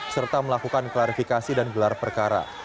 serta melakukan klarifikasi dan gelar perkara